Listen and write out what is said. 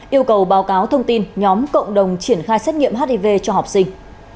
yêu cầu báo cáo thông tin nhóm cộng đồng triển khai xét nghiệm hiv cho học sinh